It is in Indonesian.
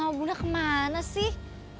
ayah sama buna kemana sih